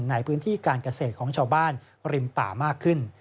ในพื้นที่การเกษตรของชาวบ้านริมป่ามากขึ้น